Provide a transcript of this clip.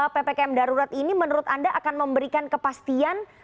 ppkm darurat ini menurut anda akan memberikan kepastian